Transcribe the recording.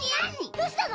どうしたの？